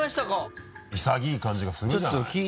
潔い感じがするじゃない。